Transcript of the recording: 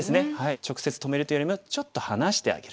直接止める手よりもちょっと離してあげる。